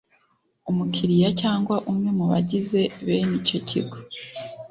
umukiriya cyangwa umwe mu bagize bene icyo kigo